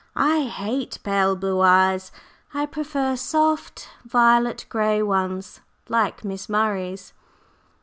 "I hate pale blue eyes. I prefer soft violet gray ones, like Miss Murray's."